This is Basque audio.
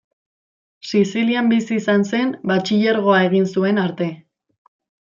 Sizilian bizi izan zen batxilergoa egin zuen arte.